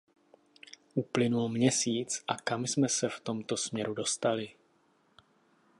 Uplynul měsíc, a kam jsme se v tomto směru dostali?